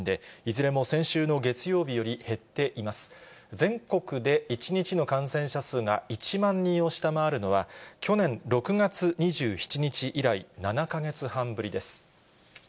全国で１日の感染者数が１万人を下回るのは、去年６月２７日以来、７か月半ぶりです。